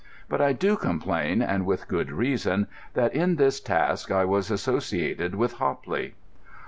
But I do complain, and with good reason, that in this task I was associated with Hopley.